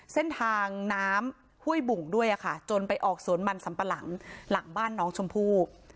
เส้นทางน้ำห้วยบุ่งด้วยค่ะจนไปออกสวนมันสัมปะหลังหลังบ้านน้องชมพู่